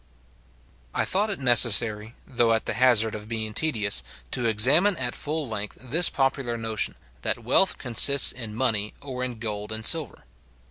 I thought it necessary, though at the hazard of being tedious, to examine at full length this popular notion, that wealth consists in money or in gold and silver.